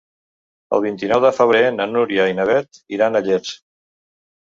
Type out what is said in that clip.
El vint-i-nou de febrer na Núria i na Beth iran a Llers.